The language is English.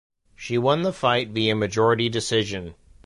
She won the fight via majority decision.